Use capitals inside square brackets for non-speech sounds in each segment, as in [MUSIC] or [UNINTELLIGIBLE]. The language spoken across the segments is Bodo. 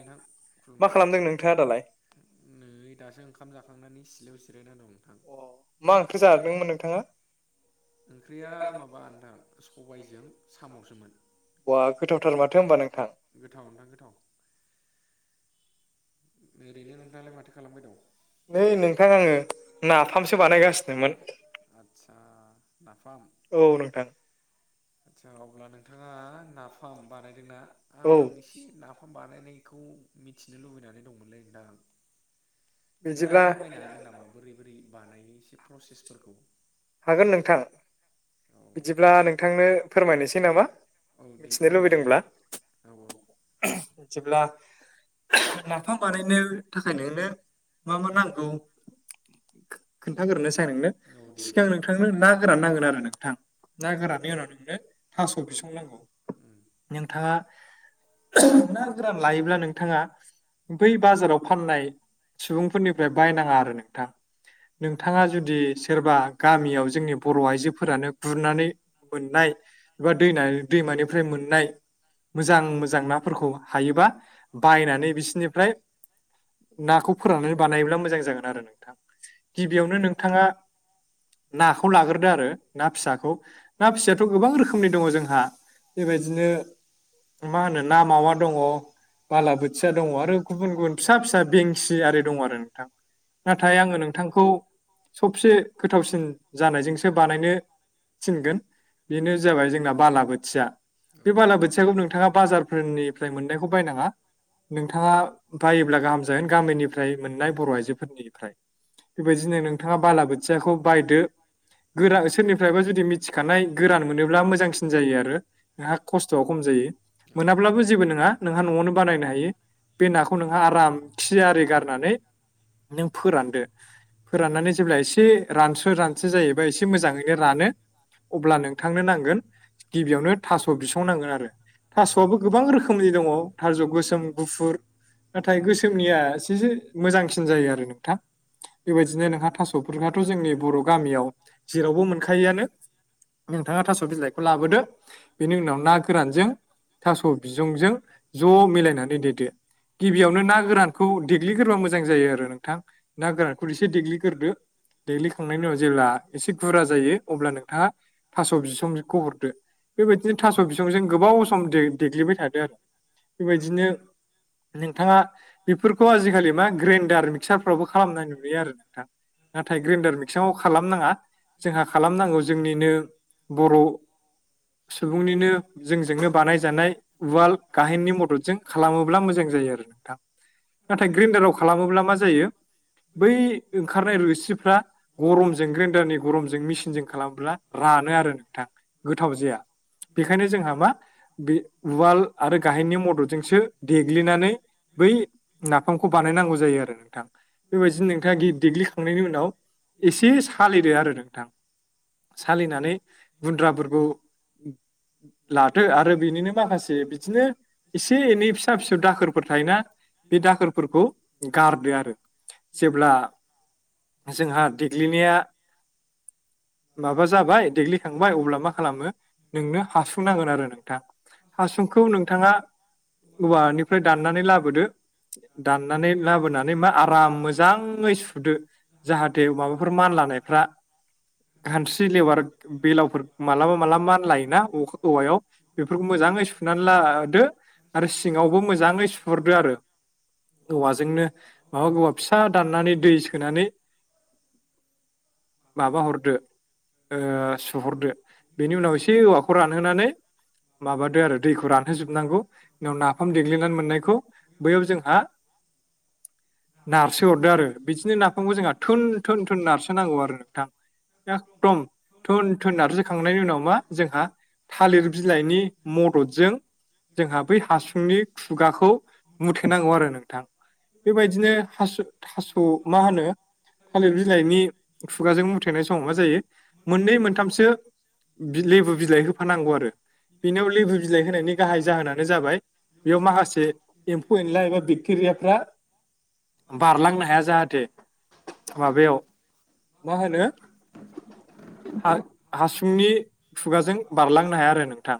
नोंथां मा खुलुमबाय खालामदों नोंथाङा दालाय? नै दासो ओंखाम जाखांनानै सिलायाव जिरायना दं। नोंथां अ मा ओंख्रि जादोंमोन नोंथाङा? ओंख्रिया माबा नोंथां सबायजों साम'सोमोन। बवा गोथावथार माथो होमबा नोंथां। गोथाव नोंथां गोथाव ओरैनो नोंथाङालाय माथो खालामबाय दं? नै नोंथां आङो नाफामसो बानायगासिनोमोन। आतसा। औ नोंथां। आदसा अब्ला नोंथाङा नाफाम बानायदोंना औ आं एसे नाफाम बानाय बानायनायखौ मिथिनो लुबैनानै दंमोनलै नोंथां। नोंथाङा बिदिब्ला फोरमायनो हागोन नामा बोरै बोरै बानायो एसे प्रसेसफोरखौ हागोन नोंथां। औ बिदिब्ला नोंथांनो फोरमायनोसै नामा औ दे मिथिनो फोरमायलांदो लुबैदोंब्ला। औ जेब्ला नाफाम नाफाम बानायनो थाखाय नोंनो मा मा नांगौ खोन्थागोरोनोसै नोंनो औ दे सिगां दे नोंथांनो ना गोरान नांगोन आरो नोंथां। ना औ गोराननि उनाव नोंनो थास' बिसं नांगौ उम नोंथाङा ना गोरान लायोब्ला नोंथाङा बै बाजाराव फाननाय सुबुंफोरनिफ्राय बायनाङा आरो नोंथां नोंथांङा जुदि सोरबा गामियाव जोंनि बर' आइजोफोरानो गुरनानै मोननाय बा दै दैमानिफ्राय मोननाय मोजां फोरखौ हायोबा बायनानै बिसिनिफ्राय नाखौ फोराननानै बानायोब्ला मोजां जागोन आरो नोंथां गिबियावनो नोंथांङा नाखौ लाग्रोदो आरो ना फिसाखौ ना फिसायाथ' गोबां रोखोमनि दङ जोंहा बेबायदिनो मा होनो ना मावा दङ बालाबोथिया दंङ आरो गुबुन गुबुन फिसा फिसा बेंसि आरि दंङ आरो नोंथां। नाथाय आंङो नोंथांखौ सबसे गोथावसिन जानायजोंसो बानायनो थिनगोन बेनो जाबाय जोंना बालाबोथिया। औ औ बे बालाबोथियाखौ नोंथाङा बाजारफोरनिफ्राय मोननायखौ बायनांङा। नोंथांङा बायोब्ला गाहाम जागोन गामिनिफ्राय मोननाय बर' आइजोफोरनिफ्राय। बेबायदिनो नोंथाङा बालाबोथियाखौ बायदो। गोरान सोरनिफ्रायबा जुदि मिथिखानाय गोरान मोनोब्ला मोजांसिन जायो आरो नोंहा खस्थ'आ खम जायो। जायो मोनाब्लाबो जेबो नङा नोंहा न'आवनो बानायनो हायो। बे नाखौ नोंहा आराम खि आरि गारनानै। नों फोरानदो फोराननानै जेब्ला। एसे रानस्र रानसो जायोबा एसे मोजांङैनो रानो अब्ला नोंथांनो नांगोन। गिबियावनो थास' बिसंनांगोन आरो। थास'आबो गोबां रोखोमनि दंङ थास' गोसोम गुफुर नाथाय गोसोम। गोसोमनिया एसेस मोजांसिन जायो आरो नोंथां बेबायदिनो नों थास। जोंहाथ' जोंनि बर' गामियाव जेरावबो मोनखायोआनो नोंथाङा थास' बिलाइखौ लाबोदो बेनि उनाव ना गोरानजों। थास' बिसंजों ज' मिलायनानै देदो गिबियावनो ना गोरानखौ। खौ देग्लिग्रोबा मोजां जायो आरो नोंथां ना गोरानखौ एसे देग्लिग्रोदो। दैलिखांनायनि उनाव जेब्ला एसे गुरा जायो अब्ला नोंथांङा थास बिसंखौ हरदो। बेबायदिनो थास' बिसंजों गोबाव सम देग्लिबाय थादो आरो बेबायदिनो। नोंथांङा। बेफोरखौ आजिखालि मा ग्रेन्डार मिक्सारफ्रावबो खालामनाय नुयो आरो नोंथां। नाथाय ग्रेन्डार मिक्सङाव खालामनाङा जोंहा खालामनांगौ जोंनिनो बर'। सुबुंनिनो जोंजोंनो बानायजानाय उवाल गाहेननि मददजों खालामोब्ला मोजां। जायो आरो नोंथां। नाथाय ग्रेन्डाराव खालामोब्ला मा जायो बै ओंखारनाय रोसि गरमजों ग्रेन्डारनि गरमजों मेसिनजों खालामोब्ला रानो आरो नोंथां गोथाव जाया। बेखायनो जोंहा मा बे उवाल आरो गाहेननि मददजोंसो देग्लिनानै। बै नाफामखौ बानायनांगौ जायो आरो नोंथां बेबायदिनो नोंथांङा देग्लि। नाव एसे सालिदो आरो नोंथां। सालिनानै गुन्द्राफोरखौ। लादो आरो बेनिनो माखासे बिदिनो एसे एनै फिसा फिसौ दाखोरफोर थायोना। बे दाखोरफोरखौ गारदो आरो जेब्ला। जोंहा देग्लिनाया। माबा जाबाय देग्लिखांबाय अब्ला मा खालामो नोंनो हासुं नांगोन आरो नोंथां। हासुंखौ नोंथाङा औवानिफ्राय दाननानै लाबोदो दाननानै लाबोनानै मा आराम मोजांङै सुदो जाहाथे माबाफोर मान लानायफ्रा खानस्रि लेबार बेलावफोर मालाबा मालाबा मानलायोना औवायाव बेफोरखौ मोजां। मोजाङै सुनानै लादो आरो सिङावबो मोजांङै सुहरदो आरो। औवाजोंनो माबा औवा फिसा दाननानै दै सोनानै माबा हरदो ओ सुहरदो बेनि उनाव एसे औवाखौ रानहोनानै माबादो आरो दैखौ रानहोजोबनांगौ उनाव नाफाम देग्लिनानै मोननायखौ बैयाव जोंहा नारसो हरदो आरो बिदिनो नाफामखौ जोंहा थोन थोन थोन नारसो नांगौ आरो नोंथां। एखदम थोन थोन नारजिखांनायनि उनाव मा जोंहा थालिर बिलाइनि मददजों जोंहा बै हासुंनि खुगाखौ मुथेनांगौ आरो नोंथां बेबायदिनो थास' थास' मा होनो। थालिर बिलाइनि खुगाजों मुथायनाय समाव मा जायो मोननै मोनथामसो लेबु बिलाइ होफानांगौ आरो बिनियाव लेबु बिलाइ होनायनि गाहाय जाहोनानो जाबाय। बेयाव माखासे एम्फौ एनला एबा बेक्टेरियाफ्रा म [UNINTELLIGIBLE] बारलांनो हाया जाहाथे माबायाव मा होनो हासुंनि खुगाजों बारलांनो हाया आरो नोंथां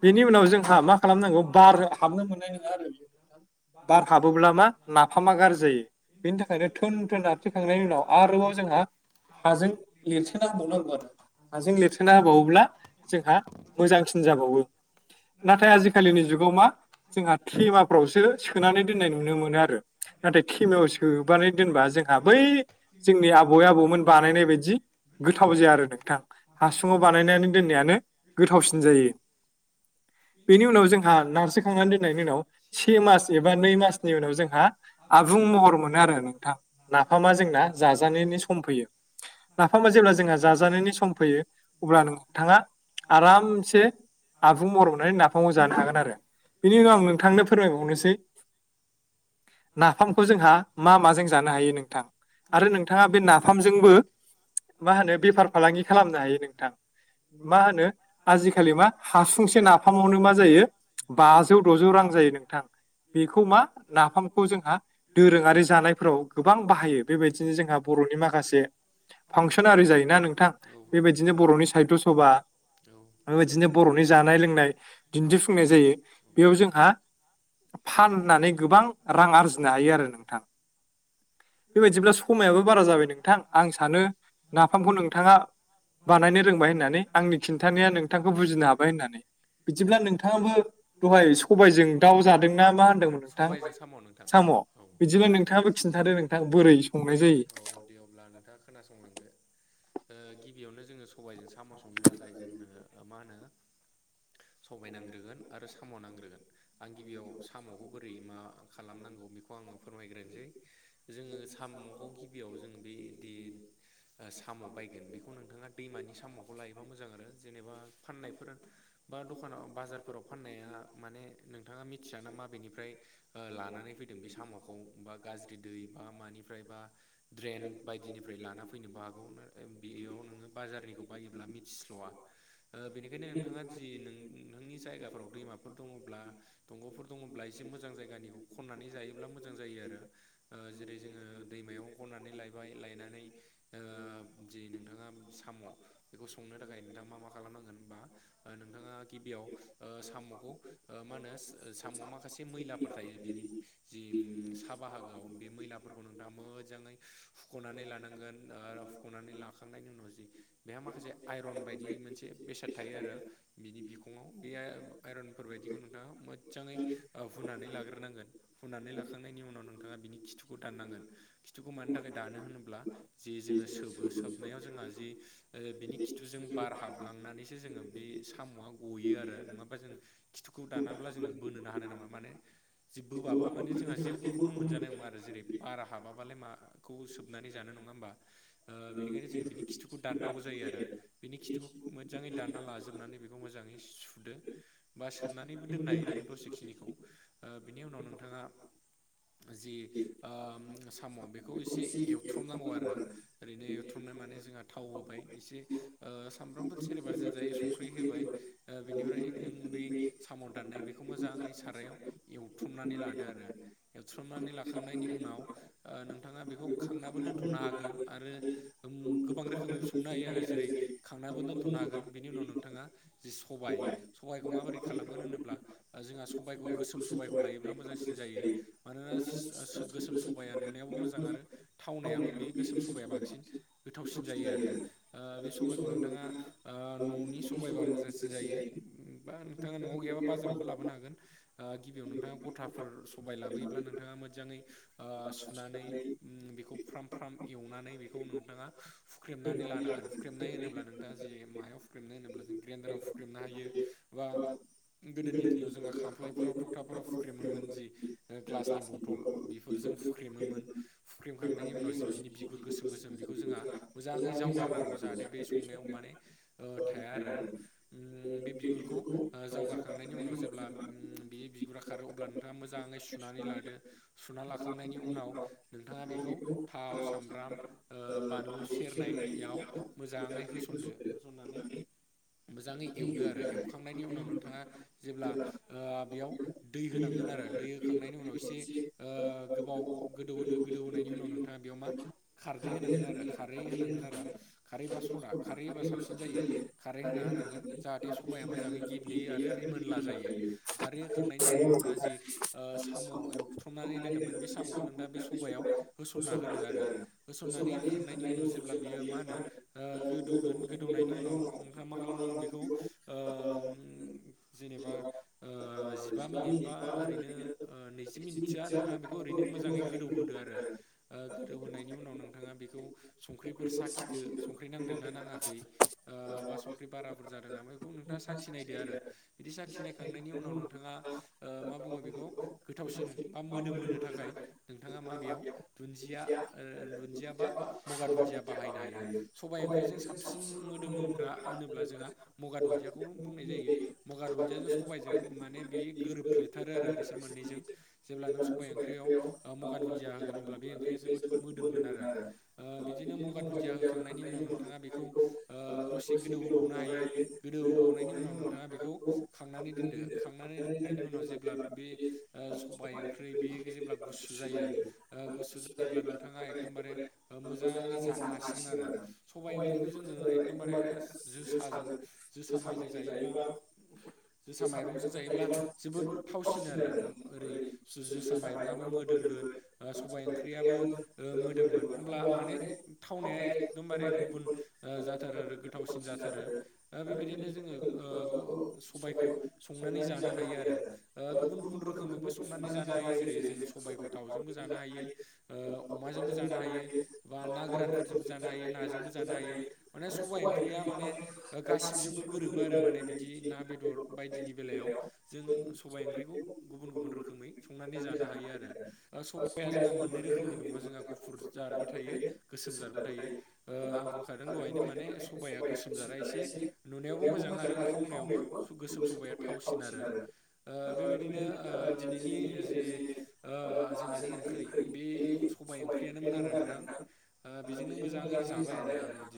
बेनि उनाव जोंहा मा खालामनांगौ बार हाबनो मोननाय नङा आरो बार हाबोब्ला मा नाफामा गाज्रि जायो बेनि थाखायनो थोनथोन नारथे खांनायनि उनाव आरोबाव जोंहा हाजों लिरसोना होबावनांगौ आरो हाजों लिरसोना होबावोब्ला जोंहा मोजां होनजाबावो नाथाय आजिखालिनि जुगाव मा जोंहा थेमाफ्रावसो सोनानै दोननाय नुनो मोनो आरो नाथाय खमायाव सोबानै दोनबा जोंहा बै जोंनि आबौै आबौमोन बानायनाय बायदि गोथाव जाया आरो नोंथां हासुुंआव बानायनानै दोननायानो गोथावसिन जायो [INAUDIBLE] बेनि उनाव जोंहा नारसोखांनानै दोननायनि उनाव से मास एबा नै मासनि उनाव जोंहा आब आबुं महर मोनो आरो नोंथां नाफामा जोंना जाजानायनि सम फैयो नाफामा जेब्ला जोंहा जाजानायनि सम फैयो अब्ला नोंथाङा आरामसे आबुं महर मोनानै नाफामाव जानो हागोन आरो बिनि उनाव आं नोंथांनो फोरमायबावनोसै नाफामखौ जोंहा मा म जों जानो हायो नोंथां आरो नोंथाङा बे नाफामजोंबो मा होनो बेफार फालांगि खालामनो हायो नोंथां मा होनो आजिखालि मा हासुंसे नाफामावनो मा जायो बाजौ दजौ रां जायो नोंथां बेखौ मा नाफामखौ जोंहा दोरोङारि जानायफोराव गोबां बाहायो बेबायदिनो जोंहा बर'नि माखासे फांसन आरि जायोना नोंथां बेबायदिनो बर'नि साहित्य सभा बेबायदिनो बरनि जानाय लोंनाय दिन्थिफुंनाय जायो बेयाव जोंहा फाननानै गोबां रां आरजिनो हायो आरो नोंथां बेबायाददिब्ला समायाबो बारा जाबाय नोंथां आं सानो नाफामखौ नोंथाङा बानायनो रोंबाय होननानै आंनि खिन्थानाया नोंथांखौ बुजिनो हाबाय होननानै बिदिब्ला नोंथाङाबो दहाय सबायजों दाउ जादोंना मा होनदोंमोन नोंथां सबायजों साम' नोंथां साम' औ बिदिनो नोंथाङाबो खिन्थादों बोरै संनाय जायो औ दे अब्ला नोंथाङा खोनासंलांदो गिबियावनो जोङो सबायाइजों साम' संनो थाखाय जोंनो मा होनो सबाय नांग्रोगोन आरो साम' नांग्रोगोन आं गिबियाव सामखौ बोरै मा खालामनांगौ बेखौ आङो फोरमायग्रोनोसै जोङो सामखौ गिबियाव जोङो बेदि साम बायगोन बेखौ नोंथाङा दैमानि सामखौ लायोबा मोजां आरो जेनेबा फाननायफोर बा दखानाव बाजारफोराव फाननाया माने नोंथाङा मिथिया नामा बेेनिफ्राय लानानै फैदों बे सामखौ बा गाज्रि दै बा मानिफ्रायबा द्रेन बायदिनिफ्राय लाना फैनोबो हागौ नाथाय बियाव नोंबा बाजारनिखौ बायोब्ला मोनथिसवा ओ बेनिखायनो नोंथां आ जि नोंनि जायगाफोराव दैमाफोराव फोर दङब्ला दंग'फोर दङब्ला एसे मोजां जायगानि खननानै जायोब्ला मोजां जायो आरो जेरै जोङो दैमायाव खननानै लायबाय लायनानै ओ जि नोंथाङा बेखौ संनो थाखाय नोंथाङ मा-मा खालामनांगोन होनबा नोंथाङा गिबियाव ओ साम'खौ मा होनो साम'वाव माखासे मैलाफोर थायो बिनि जि सा बाहागोआव बे मैलाफोरखौ नोंथाङा मोजाङै हुख'नानै लानांगोन हुख'नानै लाखांनायनि उनाव जि बेहा माखासे आइरन बायदि मोनसे बेसाद थायो आरो बिनि बिखङाव बे आइ -आइरनफोर बादिखौ नोंथाङा मोजाङै ओ हुनानै लाग्रोनांगोन हूनानै लाखांनायनि उनाव नोंथाङा बि खिथुखौ दाननांगोन खिथुखौ मानि थाखाय दानो होनोब्ला जे जोङो सोबो सोबनायाव जोंहा जि ओ बिनि खिथुजों बार हाबलांनानैसो जोङो बे साम'आ गयो आरो नङाबा जों खिथुखौ दानाब्ला जोङो बोनोनो हानाय नङा माने जेबोबाबो माने जोंहा जेब्बोखौनो मोनजानाय नङा आरो जेरै बारा हाबालाय माखौ सोबनानै जानो नङा होमबा ओ बेनिखायनो जों बिनि खिथुखौ दान नांगौ जायो आरो बिनि खिथुखौ मोजाङै दानना लाजोबनानै बेखौ मोजाङै सुदो बा सोमनानैबो दोननो हायो नोङो दसेखिनिखौ बिनि उनाव नोंथाङा जि ओ साम' बेखौ एसे एवथ्रमनांगौ आरो ओरैनो एवथ्रमनाय माने जोंहा थाव होबाय एसे ओ सामब्रामफोर सेरेबा जेरजायो संख्रि होबाय ओ बिनिफ्राय नों बै साम' दाननाय बेखौ मोजाङै सारायाव एवथ्रुमनानै लादो आरो एवथ्रनानै लाखांनायनि उनाव ओ नोंथाङा बेखौ खांनाबो दोन्थ'नो हागोन आरो गोबां रोखोमै संनो हायो आरो जेरै खांनाबो दोनथ'नो हागोन बिनि उनाव नोंथाङा जे सबाय सबायखौ माबोरै खालाम नो होनोब्ला जोंहा सबायखौ गोसोम सबायखौ लायोब्ला मोजांसिन जायो मानोना सि स गोसोम सबाया नुनायावो मोजां आरो थावनायाबो बे गोसोम सबाया बांसिन गोथावसिन जायो आरो ओ बे सबाइखौ नोंथाङा ओ न'नि सबाइबा मोजांसिन जायो बा नोंथाङा न'आव नआव गैयाबा बाजारावबो लाबोनो हागोन ओ गिबियाव नोंथाङा गथाफोर सबाय लाबोयोब्ला नोंथाङा मोजाङै सुनानै उम बेखौ फ्राम- फ्राम एवनानै बेखौ नोंथाङा हुख्रेमनानै लानां गोन हुख्रेमनाय होनोब्ला नोंथाङा जि मायाव हुख्रेमनाय होनोब्ला जों ग्रेन्दाराव हुख्रेमनो हायो बा गोदोनि दिनाव जोंहा खामफ्लायफोराव थखथाफोराव फुख्रेमोमोन जि ग्लासनि बथल बेफोर बेफोर जों फुख्रेमोमोन फुख्रेमखांनायनि उनाव जे बिनि बिगुर गोसोम -गोसोम बेखौ जोंहा मोजाङै जावगार नांगौ जाहाथे बे संनायाव माने थाया आरो उम्म बे बिगुरखौ ओ जाव हगारखांनायनि उनाव जेब्ला बे बिगुरा खारो अब्ला नोंथाङा मोजाङै सुनानै लादो सुना लाखा खांनायनि उनाव नोंथाङा बेखौ थाव सामब्राम ओ बानलु सेरनायाव मोजाङै होसनदो होसननानै मोजाङै एवदो आरो एवखांनायनि उनाव नोंथाङा जेब्ला ओ बेयाव दै होनांगौ आरो दै होखांनायनि उनाव एसे ओ गोदौहोदो गोदौहोखांनायनि उनाव नोंथाङा बेयाव मा खारदै होनांगोन आरो खारै होनांगोन आरो खारैबा सदा खारै होबा साबसिन जायो खारै होना होनांगोन जाहाथे सबाया मोजाङै गेब्लेयो आरो रिमिनद् मोनला जायो खारै होखांनायनि उनाव नोंथाङा ओ जि साम' एवथ्रमनानै दोन बे साम'खौ नोंथाङा बे सायाव होसनना होदो आरो होसननानै होखांनायनि उनाव जेब्ला बियो मा मा होनो ओ गोदौगोन गोदौनायनि उनाव नोंथाङा मा खालामनांगोन बेखौ ओ जेनेबा ओ जिबा मिनिट बा ओरैनो ओ नैजि मिनिटसोआ नोंथ आ बेखौ मोजाङै गोदौ होदो आरो ओ गोदौ होनायनि उनाव नोंथाङा बेखौ संख्रिफोर सार साखिदो संख्रि नांदोंना नाङाखै ओ बा संख्रि बाराफोर जादों नामा बेखौ नोंथाङा साखिनायदो आरो बिदि साखिनायखांनायनि उनाव नोंथाङा ओ मा बुङो बेखौ गोथावसिन बा मोदोम होनो थाखाय नोंथाङा मा बेयाव दुनजिया ओ दुनजिया बा मगा दुन्दिया बाहायनाय हायो सबाय ओंख्रिजों साबसिन मोदोमोग्रा होनोब्ला जोंहा मगा दुन्दियाखौ बुंनाय जायो मगा दुन्दियाजों सबायजों माने बियो गोरोबफ्लेथारो आरो बिसोर मोननैजों जेब्ला नों सबाय ओंख्रियाव ओ मगा दुनजिया होब्ला बेराद मोदोमगोन आरो ओ बिदिनो मगा दुनदिया होखांनायनि उनाव नोंथाङा बेखौ ओ दसे गोदौ होबावनो हायो गोदौ होबावनायनि उनाव नोंथाङा बेखौ खांनानै दोनदो खांनानै दोननायनि उनाव जेब्ला बे ओ सबाय ओंख्रि बेयो जेब्ला गुसु जायो ओ गुसु जायोब्ला नोंथाङा एकदमबारे मोजाङै जा हासिगोन आरो सबाइ ओंख्रिखौ जोङो एगदमबारे जोसाजों जोसा मायजों जायोब्ला जोसा माइरंजों जायोब्ला जोबोद [UNINTELLIGIBLE] [UNINTELLIGIBLE] आरो ओरै जोसा माइरंआबो मोदोमगोन ओ सबाय ओंख्रियाबो ओ मोदोमगोन अब्ला माने थावनाया एकदमबारे गुबुन जाथारो आरो गोथावसिन जाथारो ओ बेबायदिनो जोङो ओ सबायखौ संनानै जानो हायो आरो ओ गुबुन गुबुन रोखोमैबो संनानै जानो हायो जेरै जों सबायखौ दाउजोंबो जानो हायो ओ अमाजोंबो जानो हायो ना गोरानफोरजोंबो जानो हायो नाजोंबो जानो हायो माने सबबाय ओंख्रिया माने गासिबजोंबो गोरोबो आरो माने बिदि ना बेदर बायदिनि बेलायाव जों सबाइ ओंख्रिखौ गुबुन गुबुन रो खोमै संनानै जानो हायो आरो सबाया जोंहा मोननै रोखोमनि दङ जोंहा गुफुर जारबो थायो गोसोम जारबो थायो ओ आं बुंखादों दहायनो माने सबाया गोसोम जारा एसे नुनायाव- मोजां आरो थावनायावबो गोसोम सबाया थावसिन आरो ओ बेबायदिनो ओ दिनैनि जि ओ जोंहानि ओंख्रि बे सबाय ओंख्रियानोमोन आरो नोंथां ओ बेजोंनो मोजाङै जाबाय आरो आङो